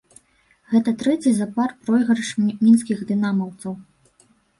Гэта трэці запар пройгрыш мінскіх дынамаўцаў.